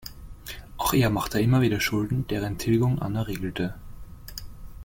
Auch er machte immer wieder Schulden, deren Tilgung Anna regelte.